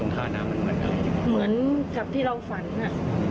เหมือนกับที่เราฝันอ่ะ